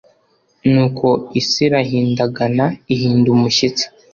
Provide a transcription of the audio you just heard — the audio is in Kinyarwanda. Nuko isi irahindagana ihinda umushyitsi